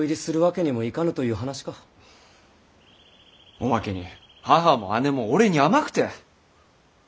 おまけに母も姉も俺に甘くて。